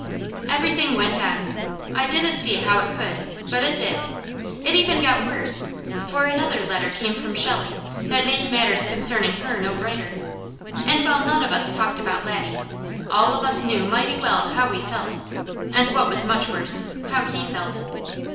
Everything went on. I didn't see how it could, but it did. It even got worse, for another letter came from Shelley that made matters concerning her no brighter, and while none of us talked about Laddie, all of us knew mighty well how we felt; and what was much worse, how he felt.